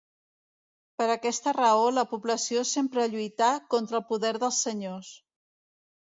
Per aquesta raó la població sempre lluità contra el poder dels senyors.